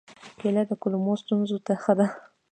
کېله د کولمو ستونزو ته ښه ده.